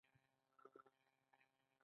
د بېلګې په توګه هغه قوانین چې ازادي سلبوي.